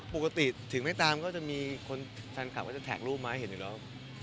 ปกติถึงไม่ตามก็จะมีคนแฟนคลับก็จะแท็กรูปมาให้เห็นอยู่แล้ว